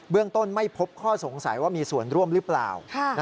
เรื่องต้นไม่พบข้อสงสัยว่ามีส่วนร่วมหรือเปล่า